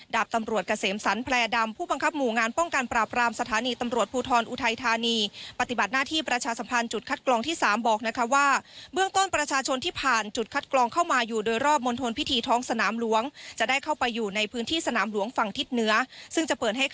ดาบตำรวจเกษมสรรแพร่ดำผู้บังคับหมู่งานป้องกันปราบรามสถานีตำรวจภูทรอุทัยธานีปฏิบัติหน้าที่ประชาสัมพันธ์จุดคัดกรองที่๓บอกนะคะว่าเบื้องต้นประชาชนที่ผ่านจุดคัดกรองเข้ามาอยู่โดยรอบมณฑลพิธีท้องสนามหลวงจะได้เข้าไปอยู่ในพื้นที่สนามหลวงฝั่งทิศเหนือซึ่งจะเปิดให้ค